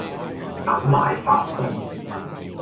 等埋發叔